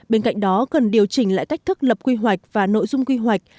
bên cạnh đó cần điều chỉnh lại cách thức lập quy hoạch và nội dung quy hoạch